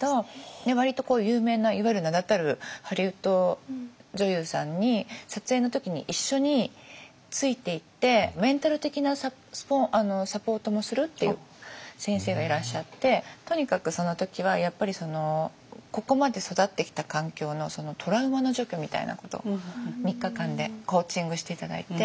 割と有名ないわゆる名だたるハリウッド女優さんに撮影の時に一緒についていってメンタル的なサポートもするっていう先生がいらっしゃってとにかくその時はやっぱりここまで育ってきた環境のトラウマの除去みたいなこと３日間でコーチングして頂いて。